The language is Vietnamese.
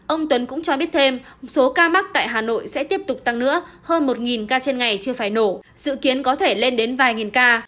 ông tuấn cũng cho biết thêm số ca mắc tại hà nội sẽ tiếp tục tăng nữa hơn một ca trên ngày chưa phải nổ dự kiến có thể lên đến vài nghìn ca